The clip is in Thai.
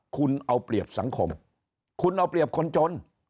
คุณเอาเปรียบสังคมคุณเอาเปรียบคนจน